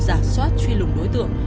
giả soát truy lùng đối tượng